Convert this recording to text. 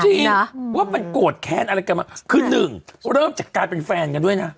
จริงว่ามันโกรธแค้นอะไรกันมาคือหนึ่งเริ่มจากการเป็นแฟนกันด้วยนะ